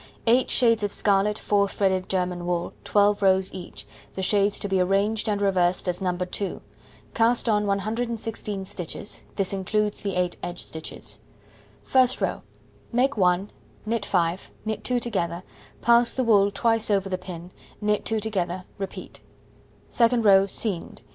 Eight shades of scarlet four threaded German wool, 12 rows of each, the shades to be arranged and reversed as No. 2. Cast on 116 stitches (this includes the 8 edge stitches). First row: Make 1, knit 5, knit 2 together, pass the wool twice over the pin, knit 2 together, repeat. Second row: Seamed.